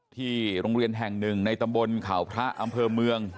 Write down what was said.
ที่โรงเรียนแห่งหนึ่งในตำบลข่าวพระอำเภอเมือง